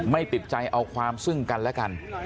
ติดใจเอาความซึ่งกันและกัน